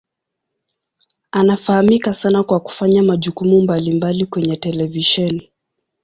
Anafahamika sana kwa kufanya majukumu mbalimbali kwenye televisheni.